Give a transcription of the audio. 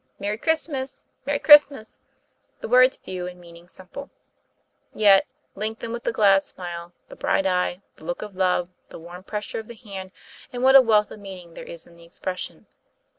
" Merry Christmas! Merry Christmas!" The words few, the meaning simple. Yet, link them with the glad smile, the bright eye, the look of love, the warm pressure of the hand, and what a wealth of meaning there is in the expression!